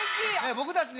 僕たちね